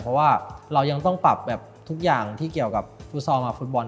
เพราะว่าเรายังต้องปรับแบบทุกอย่างที่เกี่ยวกับฟุตซอลกับฟุตบอล